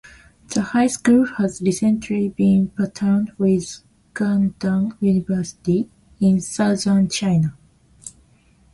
The high school has recently been partnered with Guangdong University, in southern China.